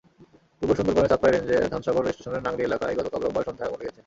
পূর্ব সুন্দরবনের চাঁদপাই রেঞ্জের ধানসাগর স্টেশনের নাংলি এলাকায় গতকাল রোববার সন্ধ্যায় আগুন লেগেছে।